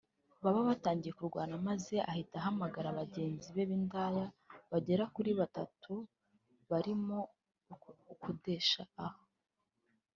baba batangiye kurwana maze ahita ahamagara bagenzi be b’indaya bagera kuri batatu barimo ukodesha aha